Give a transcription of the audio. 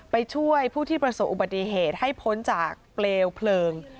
ไปช่วยผู้ที่ประสบอุบัติเหตุให้พ้นจากเปลวเพลิง